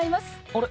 あれ？